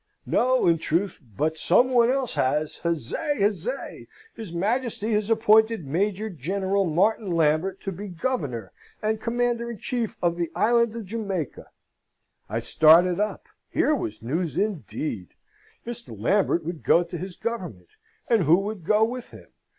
"No, in truth: but some one else has. Huzzay! huzzay! His Majesty has appointed Major General Martin Lambert to be Governor and Commander in Chief of the Island of Jamaica." I started up. Here was news, indeed! Mr. Lambert would go to his government: and who would go with him?